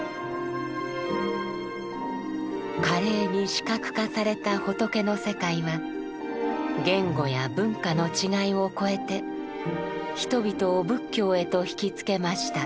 華麗に視覚化された仏の世界は言語や文化の違いを超えて人々を仏教へと惹きつけました。